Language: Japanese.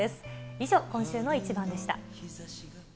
以上、今週のイチバンでした。